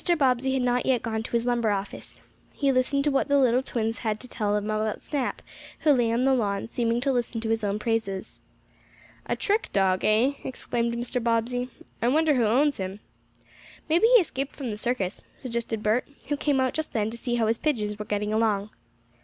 Bobbsey had not yet gone to his lumber office. He listened to what the little twins had to tell them about Snap, who lay on the lawn, seeming to listen to his own praises. "A trick dog; eh?" exclaimed Mr. Bobbsey. "I wonder who owns him?" "Maybe he escaped from the circus," suggested Bert, who came out just then to see how his pigeons were getting along.